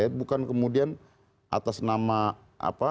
bukan kemudian atas nama apa